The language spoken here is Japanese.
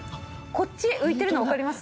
こっち浮いてるのわかります？